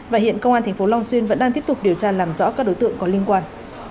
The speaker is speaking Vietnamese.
và hiện công an tp long xuyên vẫn đang tiếp tục điều tra làm rõ các đối tượng có liên quan